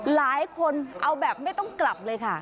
หลายคนเอาแบบไม่ต้องกลับเลยค่ะ